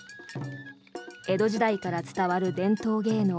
江戸時代から伝わる伝統芸能